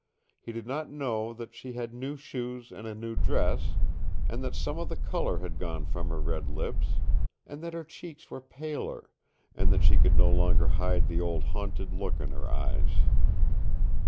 He did not know that she had new shoes and a new dress, and that some of the color had gone from her red lips, and that her cheeks were paler, and that she could no longer hide the old haunted look in her eyes.